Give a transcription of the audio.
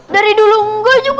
dari dulu enggak juga